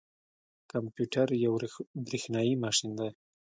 کمپيوټر یو بریښنايي ماشین دی